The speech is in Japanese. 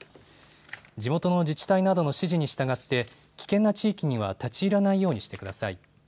地元の自治体などの指示に従って危険な地域には立ち入らないようにしてください。